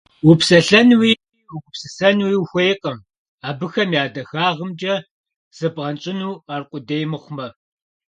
Упсэлъэнуи угупсысэнуи ухуейкъым, абыхэм я дахагъымкӀэ зыбгъэнщӀыну аркъудей мыхъумэ.